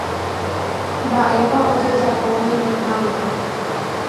Mba'épa ojejapo ñemuháme.